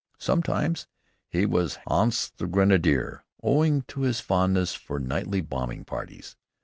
Sometimes he was "Hans the Grenadier," owing to his fondness for nightly bombing parties.